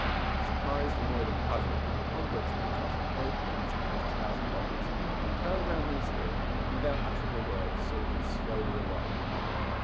Surprised, annoyed, and puzzled, Tom Brixton thrust both hands into his trousers pockets, turned round on his heel, and, without uttering a word, sauntered slowly away.